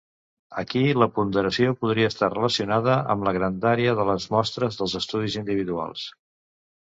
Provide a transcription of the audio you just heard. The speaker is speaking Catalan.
Aquí, la ponderació podria estar relacionada amb la grandària de les mostres dels estudis individuals.